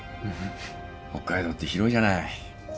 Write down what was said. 北海道って広いじゃない。